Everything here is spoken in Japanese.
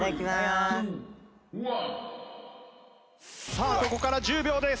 「３２１」さあここから１０秒です。